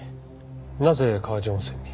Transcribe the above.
なぜ川治温泉に？